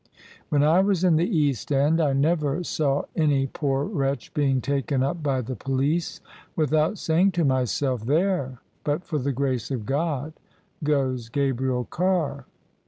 When I was in the East End I never saw any poor wretch being taken up by the police without saying to myself, * There, but for the grace of God, goes Gabriel Carr